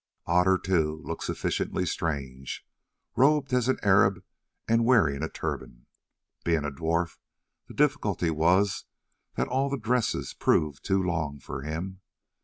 Otter too looked sufficiently strange, robed as an Arab and wearing a turban. Being a dwarf, the difficulty was that all the dresses proved too long for him.